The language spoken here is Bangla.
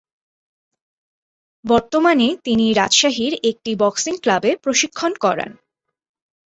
বর্তমানে তিনি রাজশাহীর একটি বক্সিং ক্লাবে প্রশিক্ষণ করান।